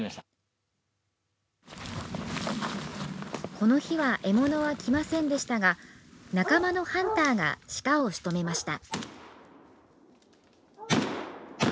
この日は獲物は来ませんでしたが仲間のハンターが鹿をしとめました。